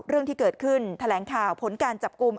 เรื่องที่เกิดขึ้นแถลงข่าวผลการจับกลุ่ม